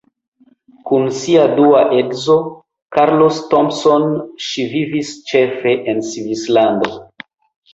Kun sia dua edzo Carlos Thompson ŝi vivis ĉefe en Svislando.